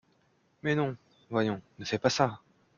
Mais non, voyons, ne fais pas ça !